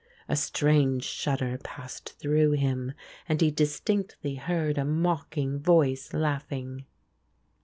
A strange shudder passed through him, and he distinctly heard a mocking voice laughing.